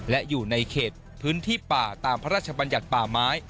และอยู่ในเขตพื้นที่ป่าตามพระราชบัญญัติป่าไม้